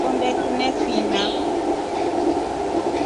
Onde tunefina.